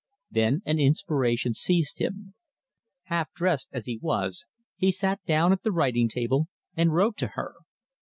Then an inspiration seized him. Half dressed as he was, he sat down at the writing table and wrote to her.